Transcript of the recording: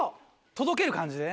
届ける感じでね。